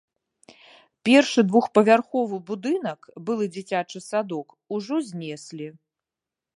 Першы двухпавярховы будынак, былы дзіцячы садок, ужо знеслі.